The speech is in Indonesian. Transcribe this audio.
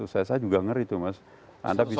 saya juga ngeri tuh mas